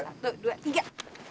satu dua tiga